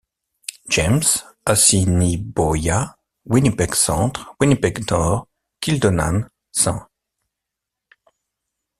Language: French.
James—Assiniboia, Winnipeg-Centre, Winnipeg-Nord, Kildonan—St.